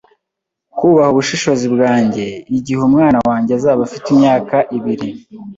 Kubaha ubushishozi bwanjye igihe umwana wanjye azaba afite imyaka ibiri